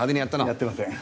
やってません。